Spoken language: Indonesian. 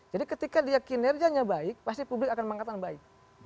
jadi ketika dia kinerjanya baik pasti publik akan mengangkat baik